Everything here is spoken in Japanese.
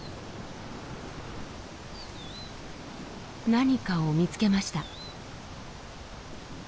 何かを見つけました。